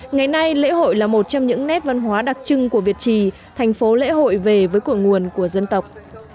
ngày nay lễ hội là một trong những nét văn hóa đặc trưng của việt trì thành phố lễ hội về với cổ nguồn của dân tộc